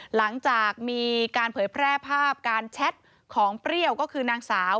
หลังจากมีการเผยแพร่ภาพการแชทของเปรี้ยวก็คือนางสาว